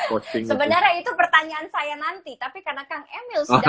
tapi karena kang emil sudah ngomong duluan